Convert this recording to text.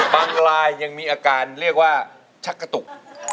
บางรายยังมีอาการเรียกว่าชักกระตุก